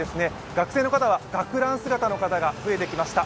学生の方は学ラン姿の方が増えてきました。